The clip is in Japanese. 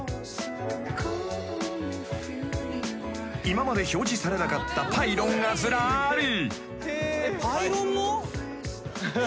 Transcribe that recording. ［今まで表示されなかったパイロンがずらり］